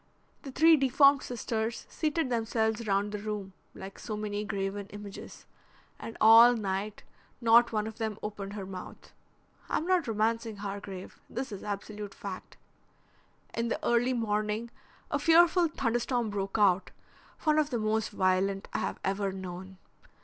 The three deformed sisters seated themselves round the room, like so many graven images, and all night not one of them opened her mouth. I'm not romancing, Hargrave; this is absolute fact. In the early morning a fearful thunderstorm broke out, one of the most violent I have ever known.